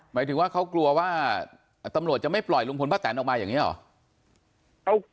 หมายถึงว่าเขากลัวว่าตำรวจจะไม่ปล่อยลุงพลป้าแตนออกมาอย่างนี้หรอ